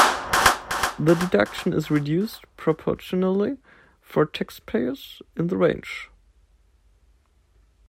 The deduction is reduced proportionally for taxpayers in the range.